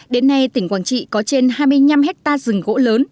đến nay tỉnh quảng trị có trên hai mươi năm hectare rừng gỗ lớn